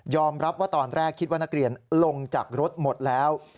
รับว่าตอนแรกคิดว่านักเรียนลงจากรถหมดแล้ว